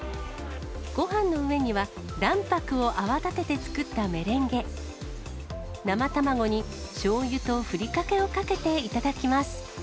ごはんの上には、卵白を泡立てて作ったメレンゲ、生卵にしょうゆとふりかけをかけて頂きます。